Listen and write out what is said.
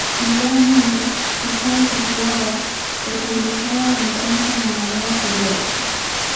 Igualmente, se sabe que su obra se publicaba en prensa de manera periódica.